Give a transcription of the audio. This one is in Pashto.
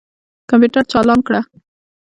کمپیوټر چالان کړه.